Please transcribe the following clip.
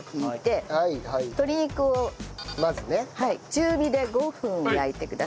中火で５分焼いてください。